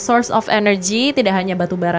source of energy tidak hanya batu bara